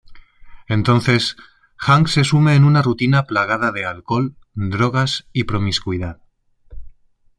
Entonces Hank se sume en una rutina plagada de alcohol, drogas y promiscuidad.